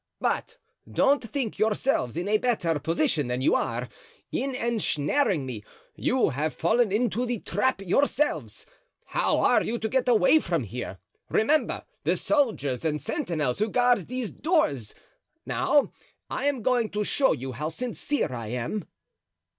"But don't think yourselves in a better position than you are. In ensnaring me you have fallen into the trap yourselves. How are you to get away from here? remember the soldiers and sentinels who guard these doors. Now, I am going to show you how sincere I am."